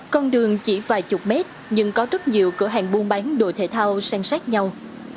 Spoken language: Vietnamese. con đường chỉ vài chục mét nhưng có rất nhiều cửa hàng buôn bán đồ thể thao sang sát nhau